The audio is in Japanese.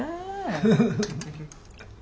フフフフ。